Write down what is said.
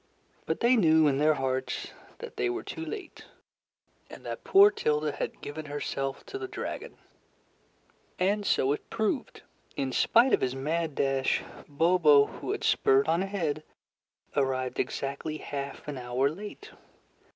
But they knew in their hearts that they were too late, and that poor Tilda had given herself to the dragon. And so it proved. In spite of his mad dash, Bobo, who had spurred on ahead, arrived exactly half an hour late.